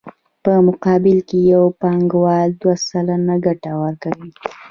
په مقابل کې یې بانکوال دوه سلنه ګټه ورکوي